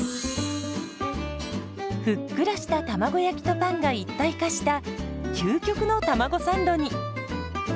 ふっくらした卵焼きとパンが一体化した究極のたまごサンドに。